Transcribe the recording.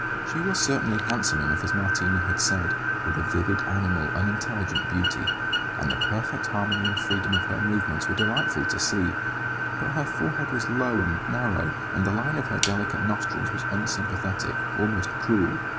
She was certainly handsome enough, as Martini had said, with a vivid, animal, unintelligent beauty; and the perfect harmony and freedom of her movements were delightful to see; but her forehead was low and narrow, and the line of her delicate nostrils was unsympathetic, almost cruel.